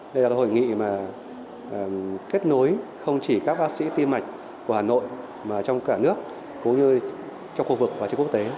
đây là hội nghị mà kết nối không chỉ các bác sĩ tim mạch của hà nội mà trong cả nước cũng như trong khu vực và trên quốc tế